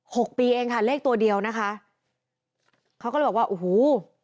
หกปีเองค่ะเลขตัวเดียวนะคะเขาก็เลยบอกว่าโอ้โห